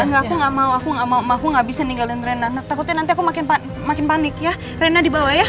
aku nggak mau aku nggak mau nggak bisa ninggalin rene takutnya nanti aku makin panik ya rene dibawa ya